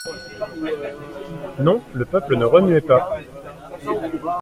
Non, le peuple ne remuait pas!